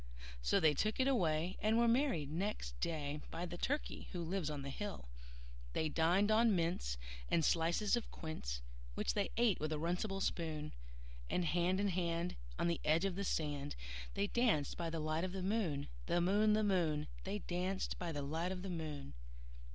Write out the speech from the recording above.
So they took it away, and were married next day By the Turkey who lives on the hill. They dined on mince and slices of quince, Which they ate with a runcible spoon; And hand in hand, on the edge of the sand, They danced by the light of the moon, The moon, The moon, They danced by the light of the moon.